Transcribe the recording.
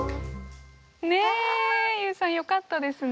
ねえＹＯＵさんよかったですね。